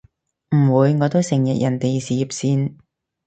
唔會，我都成日人哋事業線